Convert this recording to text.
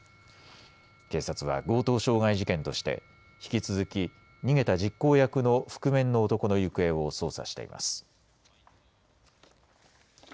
警察は強盗傷害事件として引き続き逃げた実行役の覆面の男の行方を捜査しています。